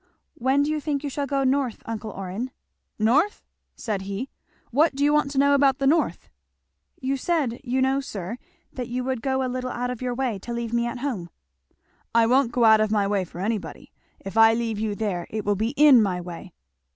"When do you think you shall go north, uncle Orrin?" "North?" said he "what do you want to know about the north?" "You said, you know, sir, that you would go a little out of your way to leave me at home." "I won't go out of my way for anybody. If I leave you there, it will be in my way.